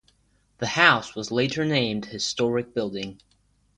The house was later named historic building.